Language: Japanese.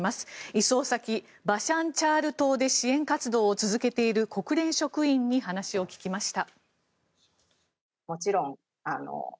移送先、バシャンチャール島で支援活動を続けている国連職員に話を聞きました。